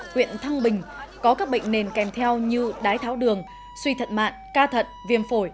quyện thăng bình có các bệnh nền kèm theo như đái tháo đường suy thận mạn ca thận viêm phổi